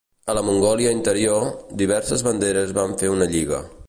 A la Mongòlia Interior, diverses banderes van fer una lliga.